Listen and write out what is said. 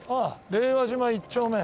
「令和島一丁目」。